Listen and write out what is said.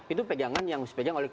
itu pegangan yang dipegang oleh